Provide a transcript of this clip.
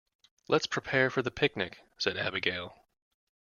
"Let's prepare for the picnic!", said Abigail.